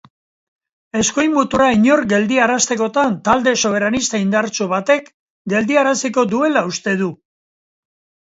Eskuin muturra inork geldiaraztekotan, talde soberanista indartsu batek geldiaraziko duela uste du.